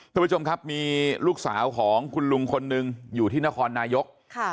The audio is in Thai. ทุกผู้ชมครับมีลูกสาวของคุณลุงคนหนึ่งอยู่ที่นครนายก